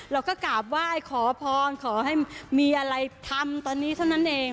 เราก็กราบไหว้ขอพรขอให้มีอะไรทำตอนนี้เท่านั้นเอง